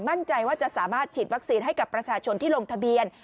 มั่นใจว่าจะสามารถฉีดวัคซีนให้กับประชาชนที่ลงทะเบียน